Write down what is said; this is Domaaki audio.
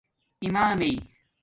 امامݵ